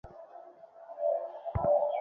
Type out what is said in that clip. ফিরে এসে আপনার সঙ্গে দেখা করব নিশ্চিত।